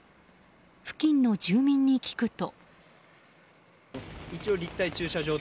付近の住民に聞くと。